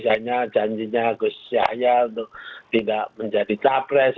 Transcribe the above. jadinya janjinya kesesiannya untuk tidak menjadi capres